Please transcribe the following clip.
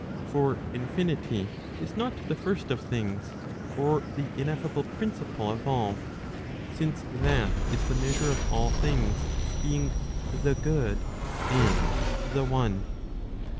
For infinity is not the first of things [or the ineffable principle of all] since that is the measure of all things, being the good and the one.